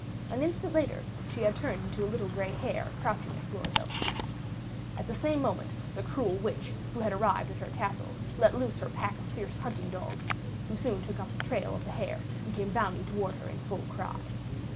An instant later she had turned into a little gray hare crouching at Florizel's feet. At the same moment, the cruel witch, who had arrived at her castle, let loose her pack of fierce hunting dogs, who soon took up the trail of the hare and came bounding toward her in full cry.